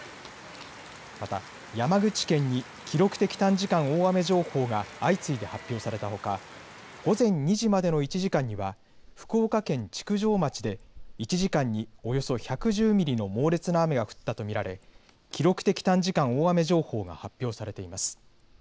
また山口県に記録的短時間大雨情報が相次いで発表されたほか午前２時までの１時間には福岡県築上町で１時間におよそ１１０ミリの猛烈な雨が降ったと見られ記録的短時間大雨情報が発表されています。